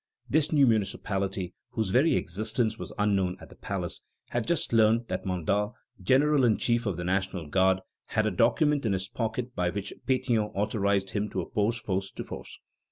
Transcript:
This new municipality, whose very existence was unknown at the palace, had just learned that Mandat, general in chief of the National Guard, had a document in his pocket by which Pétion authorized him to oppose force to force.